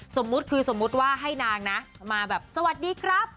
สมมุติคือสมมุติว่าให้นางนะมาแบบสวัสดีครับ